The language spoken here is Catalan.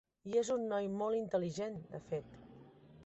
I és un noi molt intel·ligent, de fet.